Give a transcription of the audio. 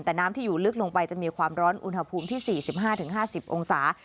แต่น้ำที่อยู่ลึกลงไปจะมีความร้อนอุณหภูมิที่๔๕๕๐องศา